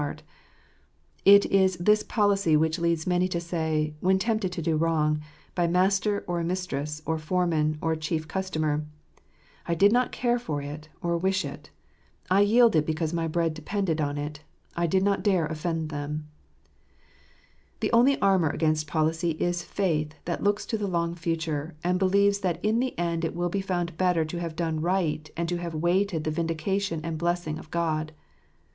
It is this policy which leads many to say, when tempted to do wrong, by master, or mistress, or fore man, or chief customer, " I did not care for it, or wish it. I yielded because my bread depended on it; I did not dare offend them." The only armour against policy is faith that looks to the long future, and believes that in the end it will be found better to have done right, and to have waited the vindication and blessing of God.